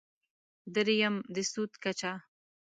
درېیم: د سود کچه.